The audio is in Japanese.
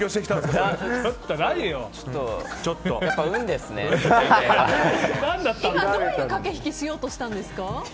今、どういう駆け引きをしようとしたんですか？